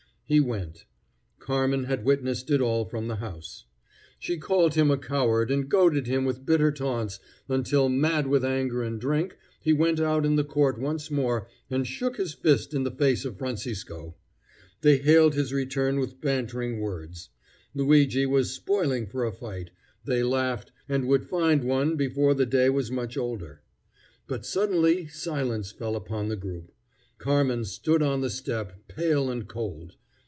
He went. Carmen had witnessed it all from the house. She called him a coward and goaded him with bitter taunts, until, mad with anger and drink, he went out in the court once more and shook his fist in the face of Francisco. They hailed his return with bantering words. Luigi was spoiling for a fight, they laughed, and would find one before the day was much older. But suddenly silence fell upon the group. Carmen stood on the step, pale and cold.